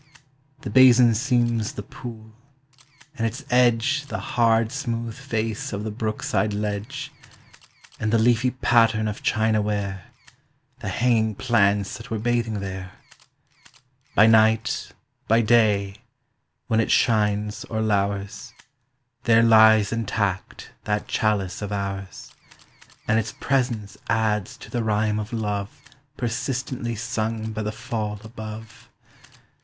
The basin seems the pool, and its edge The hard smooth face of the brook side ledge, And the leafy pattern of china ware The hanging plants that were bathing there. By night, by day, when it shines or lours, There lies intact that chalice of ours, And its presence adds to the rhyme of love Persistently sung by the fall above.